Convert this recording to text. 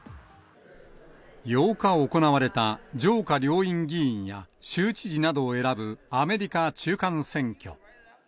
８日行われた上下両院議員や、州知事などを選ぶアメリカ中間選